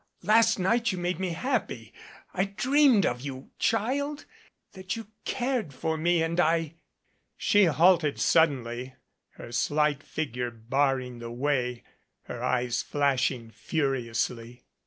Last night you made me happy. I dreamed of you, child, that you cared for me and I She halted suddenly, her slight figure barring the way, her eyes flashing furiously.